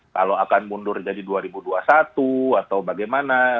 kalau akan mundur jadi dua ribu dua puluh satu atau bagaimana